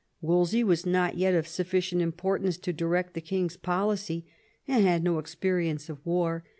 Wolsey was not yet of sufficient importance to direct the king's policy, and had no experience of war.